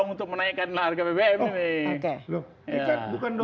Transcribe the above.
untuk menaikkan harga bbm ini